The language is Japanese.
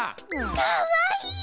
かわいい！